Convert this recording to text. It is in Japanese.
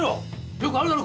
よくあるだろ？